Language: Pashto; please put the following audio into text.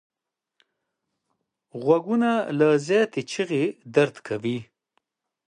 غوږونه له زیاتې چیغې درد کوي